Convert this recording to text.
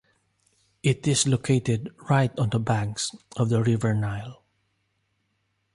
It is located right on the banks of the River Nile.